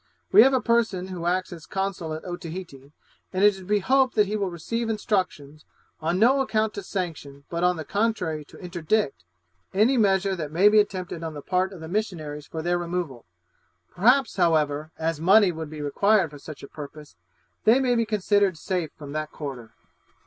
We have a person who acts as consul at Otaheite, and it is to be hoped he will receive instructions, on no account to sanction, but on the contrary to interdict, any measure that maybe attempted on the part of the missionaries for their removal; perhaps, however, as money would be required for such a purpose, they may be considered safe from that quarter.